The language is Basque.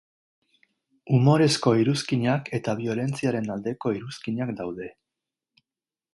Humorezko iruzkinak eta biolentziaren aldeko iruzkinak daude.